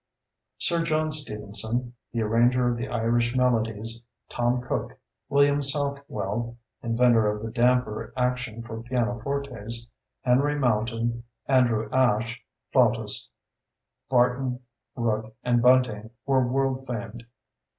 Sir John Stevenson (the arranger of the Irish Melodies), Tom Cooke, William Southwell (inventor of the damper action for pianofortes), Henry Mountain, Andrew Ashe (flautist), Barton, Rooke, and Bunting were world famed.